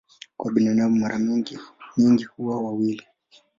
Kwa binadamu mara nyingi huwa wawili.